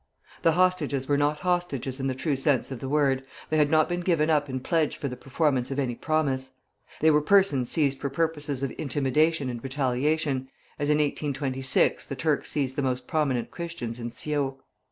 The hostages were not hostages in the true sense of the word; they had not been given up in pledge for the performance of any promise. They were persons seized for purposes of intimidation and retaliation, as in 1826 the Turks seized the most prominent Christians in Scio.